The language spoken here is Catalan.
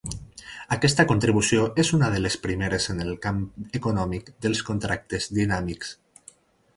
Aquesta contribució és una de les primeres en el camp econòmic dels contractes dinàmics.